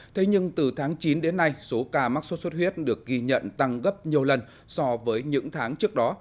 thế nhưng từ tháng chín đến nay số ca mắc sốt xuất huyết được ghi nhận tăng gấp nhiều lần so với những tháng trước đó